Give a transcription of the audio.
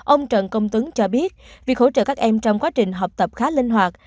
ông trần công tuấn cho biết việc hỗ trợ các em trong quá trình học tập khá linh hoạt